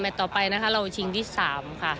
ต่อไปนะคะเราชิงที่๓ค่ะ